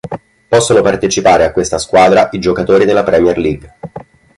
Possono partecipare a questa squadra i giocatori della Premier League.